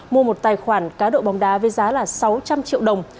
mua một tài khoản cá độ bóng đá với giá là sáu trăm linh triệu đồng